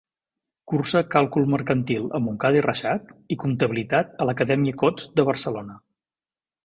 Cursa Càlcul Mercantil a Montcada i Reixac i Comptabilitat a l’Acadèmia Cots de Barcelona.